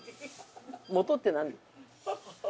元って何？